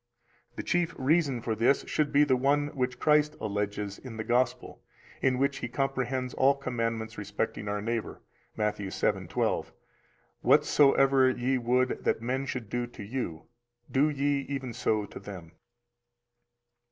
286 The chief reason for this should be the one which Christ alleges in the Gospel, in which He comprehends all commandments respecting our neighbor, Matt. 7:12: Whatsoever ye would that men should do to you, do ye even so to them.